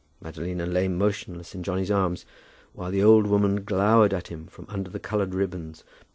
Madalina lay motionless in Johnny's arms, while the old woman glowered at him from under the coloured ribbons.